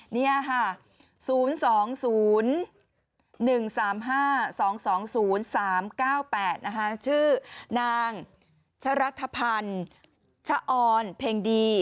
นี่ค่ะ๐๒๐๑๓๕๒๒๐๓๙๘นะคะชื่อนางชรัฐพันธ์ชะออนเพ็งดี